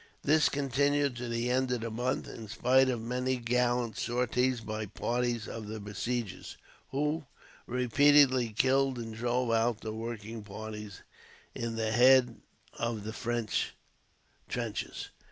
This continued to the end of the month, in spite of many gallant sorties by parties of the besiegers, who repeatedly killed and drove out the working parties in the head of the French trenches.